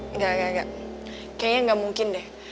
enggak enggak enggak kayaknya gak mungkin deh